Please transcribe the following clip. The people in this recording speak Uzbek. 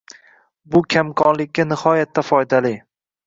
Bu kamqonlikka nihoyatda foydali